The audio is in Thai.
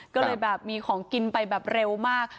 ก็เลยแบบมีของกินไปแบบเร็วมาก